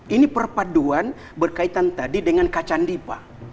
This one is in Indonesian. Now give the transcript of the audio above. ini perpaduan berkaitan tadi dengan kacandipa